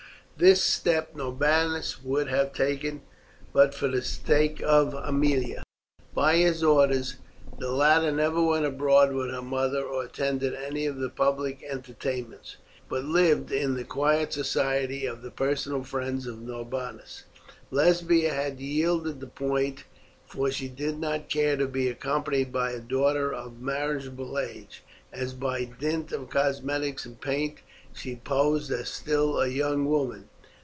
This step Norbanus would have taken but for the sake of Aemilia. By his orders the latter never went abroad with her mother or attended any of the public entertainments, but lived in the quiet society of the personal friends of Norbanus. Lesbia had yielded the point, for she did not care to be accompanied by a daughter of marriageable age, as by dint of cosmetics and paint she posed as still a young woman.